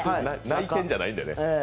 泣いてるんじゃないんですね。